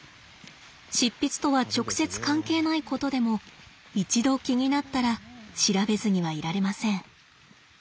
執筆とは直接関係ないことでも一度気になったら調べずにはいられません。